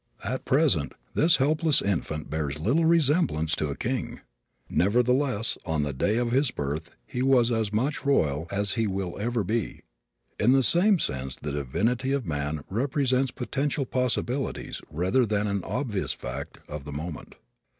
At present this helpless infant bears little resemblance to a king. Nevertheless, on the day of his birth he was as much royal as he will ever be. In the same sense the divinity of man represents potential possibilities rather than an obvious fact of the moment.